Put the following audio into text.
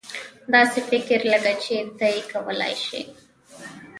داسې فکر لکه چې ته یې کولای شې.